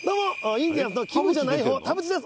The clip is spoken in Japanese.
インディアンスのきむじゃない方田渕です」